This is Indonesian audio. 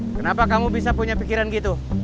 kenapa kamu bisa punya pikiran gitu